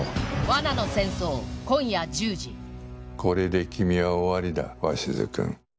これで君は終わりだ、鷲津君。